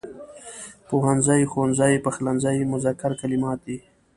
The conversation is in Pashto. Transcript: پوهنځی، ښوونځی، پخلنځی مذکر کلمات دي.